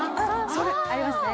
それありますね